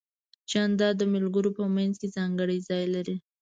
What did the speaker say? جانداد د ملګرو په منځ کې ځانګړی ځای لري.